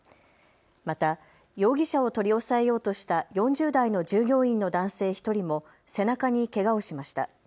また容疑者を取り押さえようとした４０代の従業員の男性１人も背中にけがをしました。